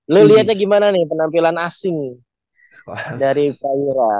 lu lihatnya gimana nih penampilan asing dari rawira